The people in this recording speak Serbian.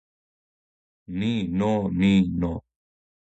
ни но ни но